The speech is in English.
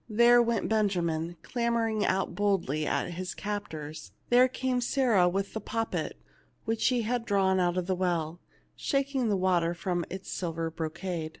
There went Benjamin, clamoring out boldly at his captors. There came Sarah with the poppet, which she had drawn out of the well, shaking the water from its silver bro cade.